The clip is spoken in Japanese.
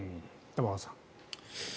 玉川さん。